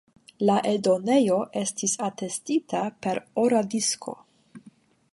La eldonejo estis atestita per ora disko.